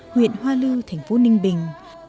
huyện hoa lưu thành phố ninh bình